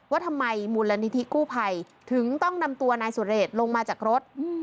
ว่าทำไมมูลนิธิกู้ภัยถึงต้องนำตัวนายสุเรชลงมาจากรถ